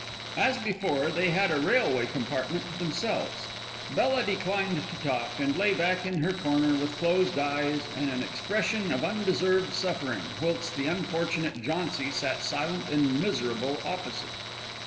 As before, they had a railway compartment to themselves. Bella declined to talk, and lay back in her corner with closed eyes and an expression of undeserved suffering, whilst the unfortunate Jauncy sat silent and miserable opposite.